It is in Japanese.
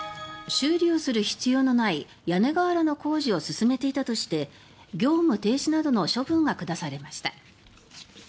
修理をする必要のない屋根瓦の工事を進めていたとして業務停止などの処分が下されました。